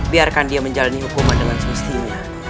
biarkan dia menjalani hukuman dengan semestinya